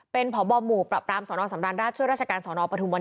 เป็นผอบอมหมู่ปรับรามสอนอสำราญราชช่วยราชการสอนอปฐุมนต์